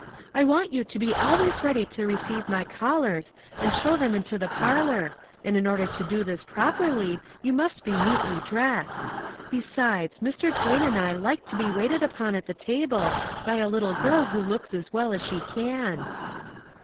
" I want you to be always ready to receive my callers and show them into the parlor, and in order to do this properly you must be neatly dressed; be sides, Mr. Duane and I like to be waited upon at the table by a little girl who looks as well as she can."